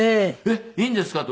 「えっいいんですか？」